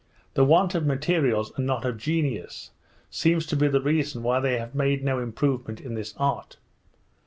The want of materials, and not of genius, seems to be the reason why they have made no improvement in this art.